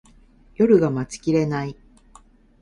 夜が待ちきれない